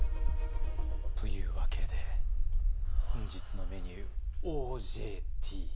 というわけで本日のメニュー「ＯＪＴ」。